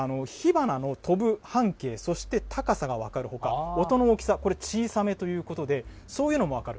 火花の飛ぶ半径、そして高さが分かるほか、音の大きさ、これ、小さめということで、そういうのも分かる。